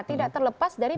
tidak terlepas dari